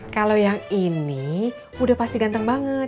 kalau yang ini udah pasti ganteng banget